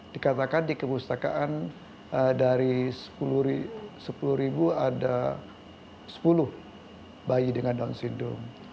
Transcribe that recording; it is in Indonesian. dikatakan di kepustakaan dari sepuluh ribu ada sepuluh bayi dengan down syndrome